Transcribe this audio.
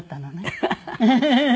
ハハハハ！